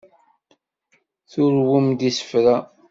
Turwem-d isefra.